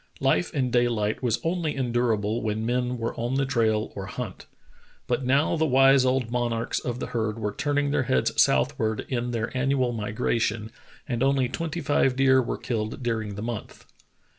Life in daylight was only endurable when men were on the trail or hunt. But now the wise old mon archs of the herds were turning their heads southward in their annual migration, and only twenty five deer were killed during the month.